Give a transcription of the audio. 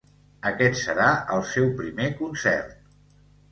Aquest serà el seu primer concert.